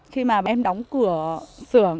khi mà em đóng cửa sưởng